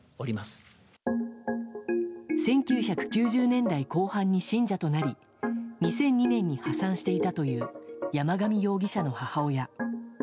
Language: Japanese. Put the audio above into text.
１９９０年代後半に信者となり２００２年に破産していたという、山上容疑者の母親。